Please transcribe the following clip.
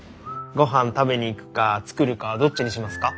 ごはん食べに行くか作るかどっちにしますか？